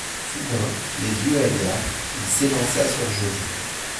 Soudain, les yeux hagards, il s’élança sur José.